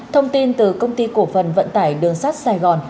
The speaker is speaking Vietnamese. thông tin từ công ty cổ phần vận tải đường sắt sài gòn